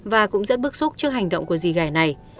và cũng rất bức xúc trước hành động của dì gẻ này